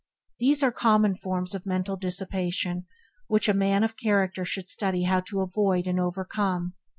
They are common forms of mental dissipation which a man of character should study how to avoid and overcome.